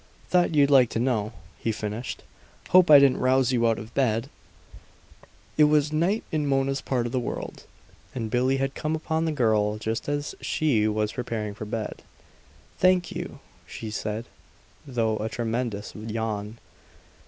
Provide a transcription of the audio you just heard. "Thought you'd like to know," he finished. "Hope I didn't rouse you out of bed." It was night in Mona's part of the world, and Billie had come upon the girl just as she was preparing for bed. "Thank you," she said, through a tremendous yawn.